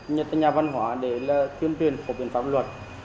nhà văn hóa để là tiêm tuyển phổ biến pháp luật